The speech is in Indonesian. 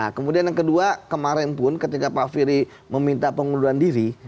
kemudian yang kedua kemarin pun ketika pak firry meminta pengunduran diri